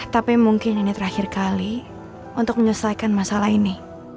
tapi mungkin ini terakhir kali untuk menyelesaikan masalah ini